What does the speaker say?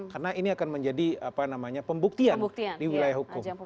karena ini akan menjadi pembuktian di wilayah hukum